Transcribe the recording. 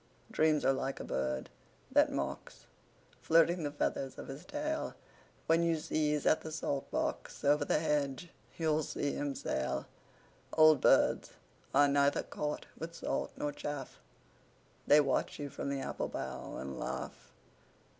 Dreams are like a bird that mocks, Flirting the feathers of his tail. When you sieze at the salt box, Over the hedge you'll see him sail. Old birds are neither caught with salt nor chaff: They watch you from the apple bough and laugh.